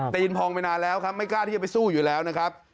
นพองไปนานแล้วครับไม่กล้าที่จะไปสู้อยู่แล้วนะครับ